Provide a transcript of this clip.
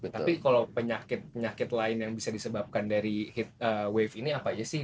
tapi kalau penyakit penyakit lain yang bisa disebabkan dari wave ini apa aja sih